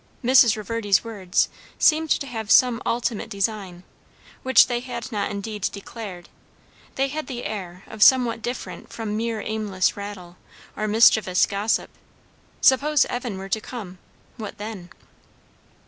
Mrs. Reverdy's words seemed to have some ultimate design, which they had not indeed declared; they had the air of somewhat different from mere aimless rattle or mischievous gossip. Suppose Evan were to come? What then?